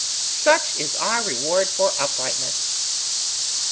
Such is our reward for uprightness!